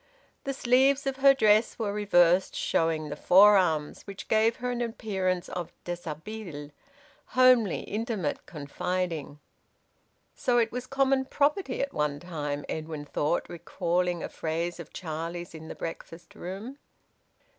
The sleeves of her dress were reversed, showing the forearms, which gave her an appearance of deshabille, homely, intimate, confiding. "So it was common property at one time," Edwin thought, recalling a phrase of Charlie's in the breakfast room.